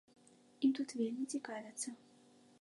Ім тут вельмі цікавяцца.